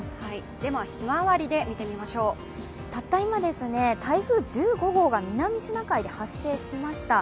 では、ひまわりで見てみましょうたった今、台風１５号が南シナ海で発生しました。